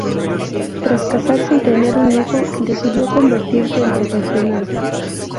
Tras casarse y tener un hijo, decidió convertirse en profesional.